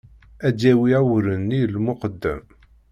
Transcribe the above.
Ad d-yawi awren-nni i lmuqeddem.